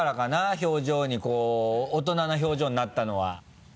表情にこう大人な表情になったのは。